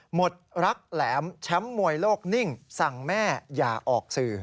หมดรักแหลมแชมป์มวยโลกนิ่งสั่งแม่อย่าออกสื่อ